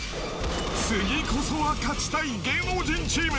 次こそは勝ちたい芸能人チーム。